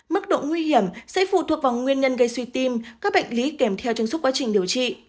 mức độ nguy hiểm sẽ phụ thuộc vào nguyên nhân gây suy tim các bệnh lý kèm theo chân suốt quá trình điều trị